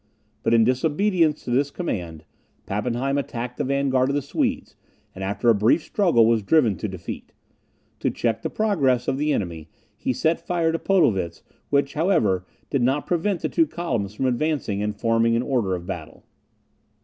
But, in disobedience to this command, Pappenheim attacked the vanguard of the Swedes, and after a brief struggle was driven to retreat. To check the progress of the enemy, he set fire to Podelwitz, which, however, did not prevent the two columns from advancing and forming in order of battle.